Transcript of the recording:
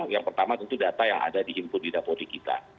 yang pertama tentu data yang ada di input di dapodik kita